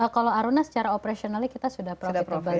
kalau aruna secara operasionalnya kita sudah profitable